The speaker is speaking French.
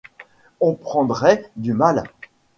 On prendrait du mal.